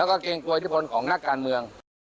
แล้วก็เกรงกลัวอิทธิพลของนักการเมือง